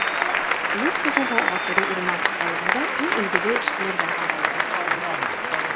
Йорт хужаһы Ғафури урман хужалығында иң өлгөлө эшселәрҙән һанала.